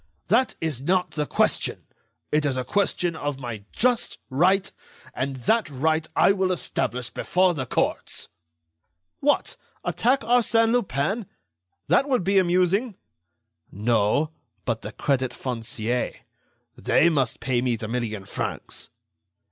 "That is not the question. It is a question of my just right, and that right I will establish before the courts." "What! attack Arsène Lupin? That would be amusing." "No; but the Crédit Foncier. They must pay me the million francs."